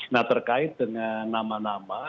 nah terkait dengan nama nama